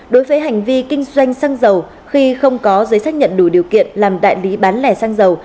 đối với hành vi kinh doanh xăng dầu khi không có giấy xác nhận đủ điều kiện làm đại lý bán lẻ xăng dầu